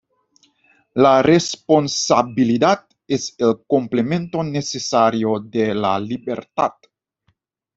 La responsabilidad es el complemento necesario de la libertad.